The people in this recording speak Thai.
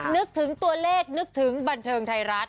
นึกถึงตัวเลขนึกถึงบันเทิงไทยรัฐ